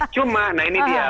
cuma nah ini dia